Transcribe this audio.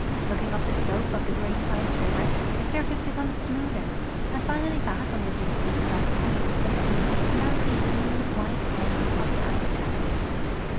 Looking up the slope of the great ice river the surface beconu's smoother, and finally back on the distant hormm one sees tlu> appafently smooth wliite plain of the ice cap.